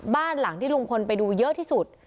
บ้านหลังที่ลุงพลไปดูเยอะที่สุด